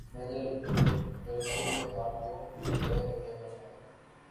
میں نے لرزتے ہوئے ہاتھ کو پرے دھکیلنا چاہا